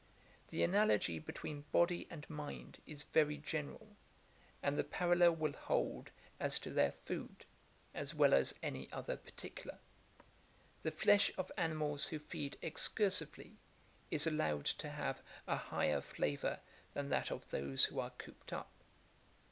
The analogy between body and mind is very general, and the parallel will hold as to their food, as well as any other particular. The flesh of animals who feed excursively, is allowed to have a higher flavour than that of those who are cooped up.